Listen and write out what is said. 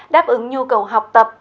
đáp ứng nhu cầu học tập